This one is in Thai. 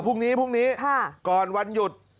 พรุ่งนี้พรุ่งนี้ก่อนวันหยุด